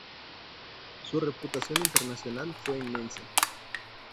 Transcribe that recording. Su reputación internacional fue inmensa.